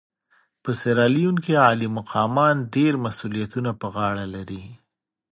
په سیریلیون کې عالي مقامان ډېر مسوولیتونه پر غاړه لري.